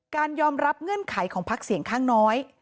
การยอมรับเงื่อนไขของพักเสียงข้างน้อย